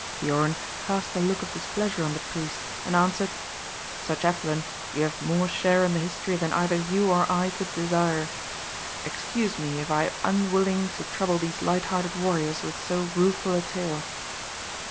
Biorn cast a look of displeasure on the priest, and answered, "Sir chaplain, you have more share in the history than either you or I could desire. Excuse me, if I am unwilling to trouble these light hearted warriors with so rueful a tale."